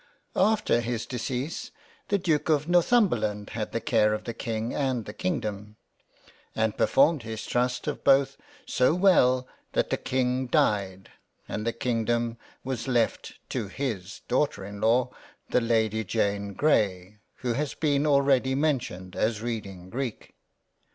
After his decease the Duke of Northumberland had the care of the King and the Kingdom, and performed his trust of both so well that the King died and the Kingdom was left to his daughter in law the Lady Jane Grey, who has been already mentioned as reading Greek.